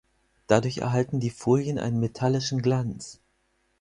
Dadurch erhalten die Folien einen metallischen Glanz.